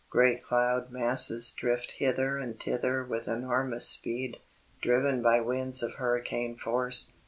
Great cloud masses drift hither and thither with enormous speed, driven by winds of hurricane force.